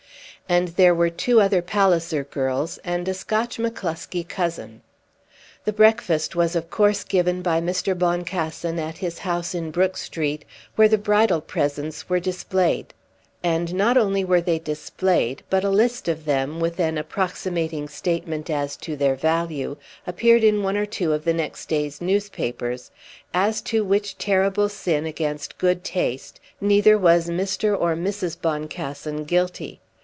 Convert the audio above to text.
And there were two other Palliser girls and a Scotch McCloskie cousin. The breakfast was of course given by Mr. Boncassen at his house in Brook Street, where the bridal presents were displayed. And not only were they displayed; but a list of them, with an approximating statement as to their value, appeared in one or two of the next day's newspapers; as to which terrible sin against good taste neither was Mr. or Mrs. Boncassen guilty.